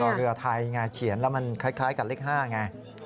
เรือไทยไงเขียนแล้วมันคล้ายกับเลข๕ไง